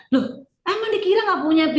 loh emang dikira gak punya